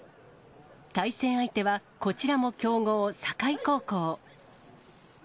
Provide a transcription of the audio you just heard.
対戦相手は、こちらも強豪、境高校。